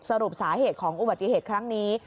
สรุปสาเหตุของอุบัติเหตุครั้งนี้